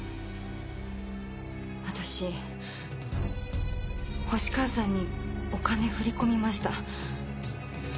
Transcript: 私星川さんにお金振り込みました。